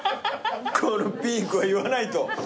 このピンクは言わないと。